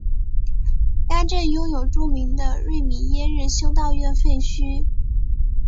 该镇拥有著名的瑞米耶日修道院废墟。